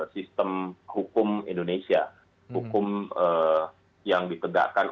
sistem hukum indonesia hukum yang ditegakkan